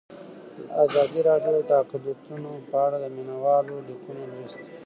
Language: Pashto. ازادي راډیو د اقلیتونه په اړه د مینه والو لیکونه لوستي.